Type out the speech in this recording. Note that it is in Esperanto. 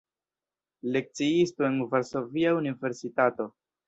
Lekciisto en Varsovia Universitato.